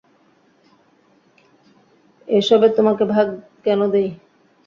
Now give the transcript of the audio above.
এসবে তোমাকে ভাগ কেন দেই?